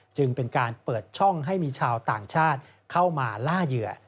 จึงเป็นการเปิดช่องให้มีชาวต่างชาติเข้ามาล่าเหยื่อ